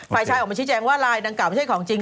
ฝ่ายชายออกมาชี้แจงว่าลายดังกล่าไม่ใช่ของจริง